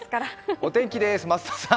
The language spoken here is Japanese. お天気ですね。